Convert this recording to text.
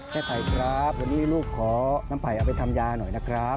ไผ่ครับวันนี้ลูกขอน้ำไผ่เอาไปทำยาหน่อยนะครับ